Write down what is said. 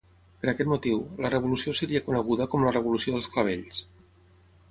Per aquest motiu, la revolució seria coneguda com la Revolució dels Clavells.